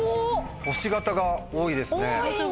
星形が多いですね。